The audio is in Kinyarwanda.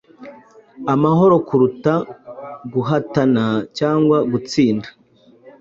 amahoro kuruta guhatana cyangwa gutsinda